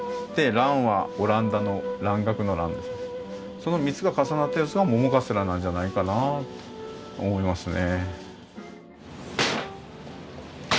その３つが重なったやつが桃カステラなんじゃないかなと思いますね。